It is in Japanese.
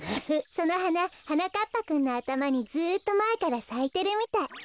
そのはなはなかっぱくんのあたまにずっとまえからさいてるみたい。